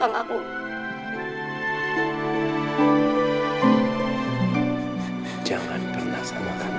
saya sudah perilaksin alat melet tutti